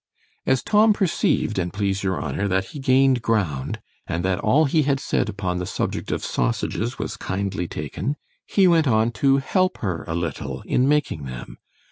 As Tom perceived, an' please your honour, that he gained ground, and that all he had said upon the subject of sausages was kindly taken, he went on to help her a little in making them.